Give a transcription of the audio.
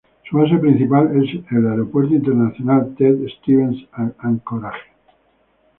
Su base principal es el Aeropuerto Internacional Ted Stevens Anchorage.